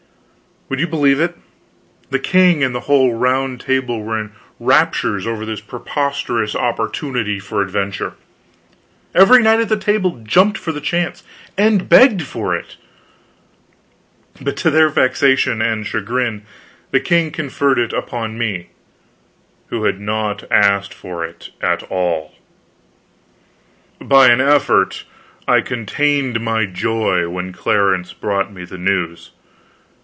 Would you believe it? The king and the whole Round Table were in raptures over this preposterous opportunity for adventure. Every knight of the Table jumped for the chance, and begged for it; but to their vexation and chagrin the king conferred it upon me, who had not asked for it at all. By an effort, I contained my joy when Clarence brought me the news.